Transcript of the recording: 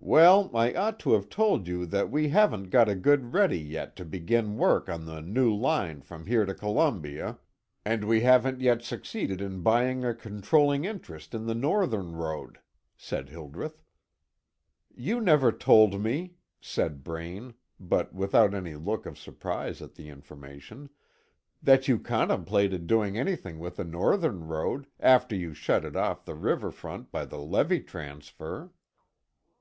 "Well, I ought to have told you that we haven't got a good ready yet to begin work on the new line from here to Columbia, and we haven't yet succeeded in buying a controlling interest in the Northern road," said Hildreth. "You never told me," said Braine, but without any look of surprise at the information, "that you contemplated doing anything with the Northern road, after you shut it off the river front by the levee transfer."